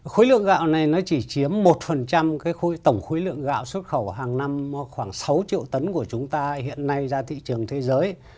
khối lượng gạo này nó chỉ chiếm một tổng khối lượng gạo xuất khẩu hàng năm khoảng sáu triệu tấn của chúng ta hiện nay ra thị trường thế giới